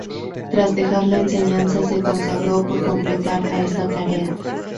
Tras dejar la enseñanza, se consagró por completo a esta tarea.